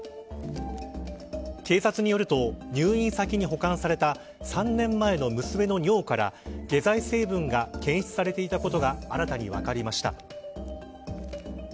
警察によると入院先に保管された３年前の娘の尿から下剤成分が検出されていたことが新たに分かりました。